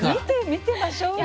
見てましょうよ。